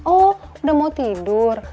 oh udah mau tidur